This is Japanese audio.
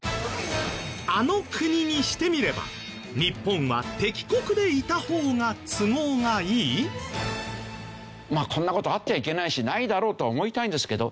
あの国にしてみれば日本は敵国でいた方が都合がいい？こんな事あってはいけないしないだろうと思いたいんですけど